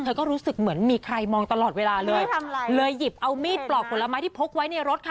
เธอก็รู้สึกเหมือนมีใครมองตลอดเวลาเลยเลยหยิบเอามีดปลอกผลไม้ที่พกไว้ในรถค่ะ